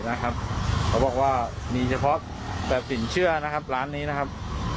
เขาบอกว่ามีเฉพาะแบบสินเชื่อนะครับร้านนี้นะครับ